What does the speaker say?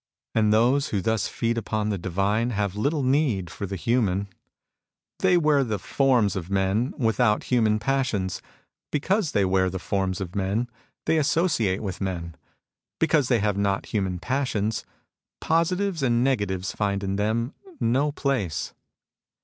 And those who thus feed upon the divine have little need for the human. They wear the forms of men, without human passions. Because they wear the forms of men, they associate with men. Because they have not human passions, positives and negatives find in them no place.